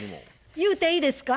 言うていいですか？